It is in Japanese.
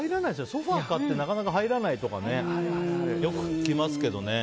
ソファ買ってなかなか入らないとかよく聞きますけどね。